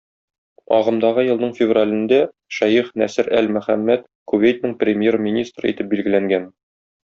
Агымдагы елның февралендә шәех Нәсер әл-Мөхәммәд Кувейтның Премьер-министры итеп билгеләнгән.